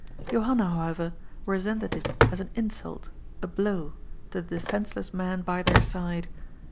Johanna, however, resented it as an insult — a blow — to the defenceless man by their side.